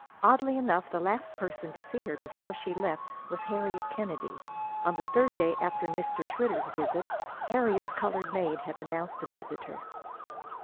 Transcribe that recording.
Oddly enough, the last person to see her before she left was Harriet Kennedy. On the third day after Mr. Schwitter's visit, Harriet's colored maid had announced a visitor.